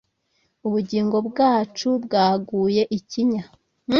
. Ubugingo bwacu bgaguye ikinya